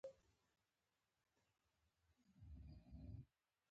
موږ د لومړني وضعیت له فکري ازموینې ګټه اخلو.